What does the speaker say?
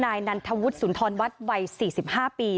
นายนันทวุฒิสุนทรวัดวัย๔๕ปี